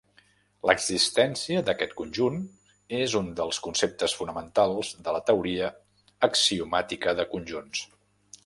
L'existència d'aquest conjunt és un dels conceptes fonamentals de la teoria axiomàtica de conjunts.